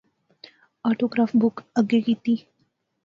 آٹو گراف بک اگے کیتی